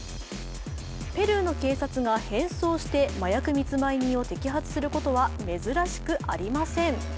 ペルーの警察が変装して麻薬密売人を摘発することは珍しくありません。